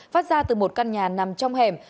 phát ra từ một căn nhà nằm trong hẻm